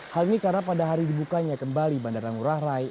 hal ini karena pada hari dibukanya kembali bandara ngurah rai